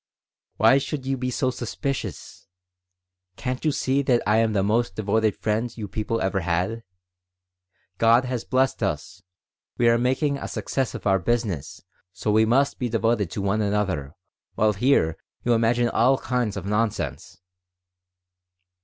"Why should you be so suspicious? Can't you see that I am the most devoted friend you people ever had? God has blessed us; we are making a success of our business so we must be devoted to one another, while here you imagine all kinds of nonsense."